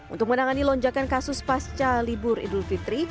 untuk menangani lonjakan kasus pasca libur idul fitri